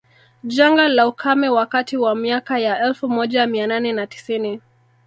Janga la ukame wakati wa miaka ya elfu moja mia nane na tisini